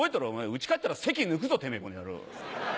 うち帰ったら籍抜くぞてめぇこの野郎」。